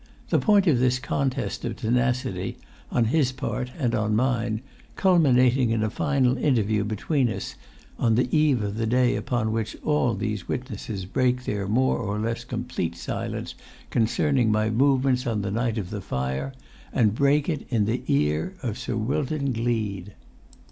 The point is this contest of tenacity on his part and on mine, culminating in a final interview between us on the eve of the day upon which all these witnesses break their more or less complete silence concerning my movements on the night of the fire, and break it in the ear of Sir Wilton Gleed!